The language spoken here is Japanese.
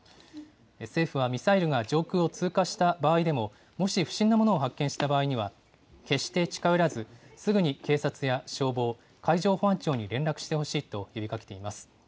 政府はミサイルが上空を通過した場合でも、もし不審なものを発見した場合には、決して近寄らず、すぐに警察や消防、海上保安庁に連絡してほしいと呼びかけています。